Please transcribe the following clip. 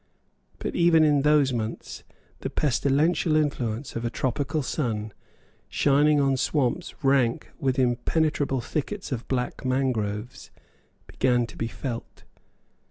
But, even in those months, the pestilential influence of a tropical sun, shining on swamps rank with impenetrable thickets of black mangroves, began to be felt.